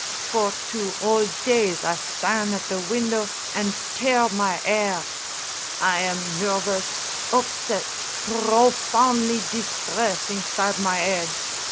For two whole days I stan' at the window an' tear my 'air! I am nervous, upset, pr r ro foun'ly distress inside my 'ead!